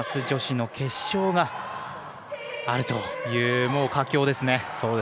女子の決勝があるという佳境ですね。